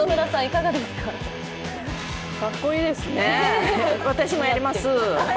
かっこいいですね、私もやります。